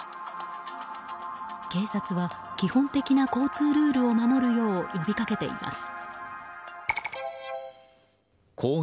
警察は基本的な交通ルールを守るよう呼びかけています。